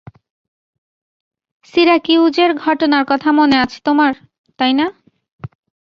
সিরাকিউজের ঘটনার কথা মনে আছে তোমার, তাই না?